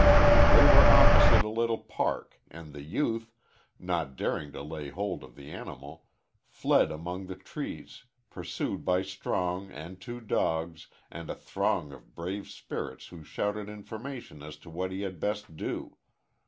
They were opposite a little park, and the youth, not daring to lay hold of the animal, fled among the trees, pursued by Strong and two dogs and a throng of brave spirits who shouted information as to what he had best do.